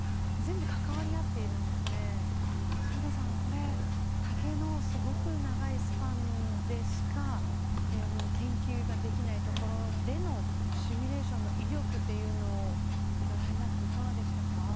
柴田さんこれ竹のすごく長いスパンでしか研究ができないところでのシミュレーションの威力っていうのをご覧になっていかがでしたか？